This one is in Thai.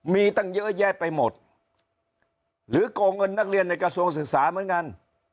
มีตั้งเยอะแยะไปหมดหรือโกงเงินนักเรียนในกระทรวงศึกษาเหมือนกัน